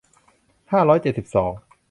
ห้าร้อยเจ็ดสิบสอง